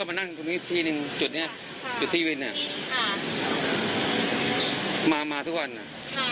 ก็มานั่งที่นี่จุดนี้จุดที่วินเนี่ยอ่ามามาทุกวันอ่ะอ่า